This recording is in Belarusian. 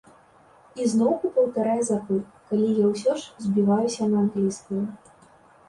І зноўку паўтарае запыт, калі я ўсё ж збіваюся на англійскую.